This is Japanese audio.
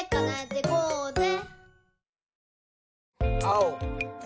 あお。